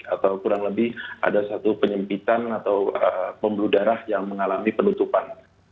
atau kurang lebih ada satu penyempitan atau pembuluh darah yang mengalami penutupan